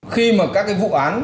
khi mà các cái vụ án